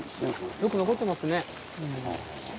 よく残ってますね。